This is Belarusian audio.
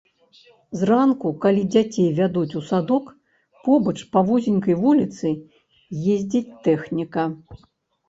Зранку, калі дзяцей вядуць у садок, побач па вузенькай вуліцы ездзіць тэхніка.